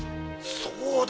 そうだ！